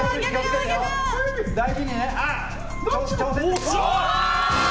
おっしゃ！